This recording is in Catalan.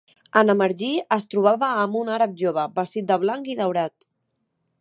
En emergir, es trobava amb un àrab jove, vestit de blanc i daurat.